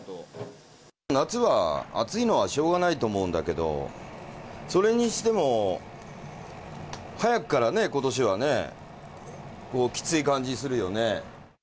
夏は、暑いのはしょうがないと思うんだけど、それにしても、早くからね、ことしはね、きつい感じするよね。